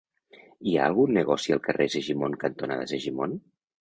Hi ha algun negoci al carrer Segimon cantonada Segimon?